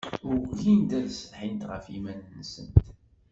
Ugint ad setḥint ɣef yiman-nsent.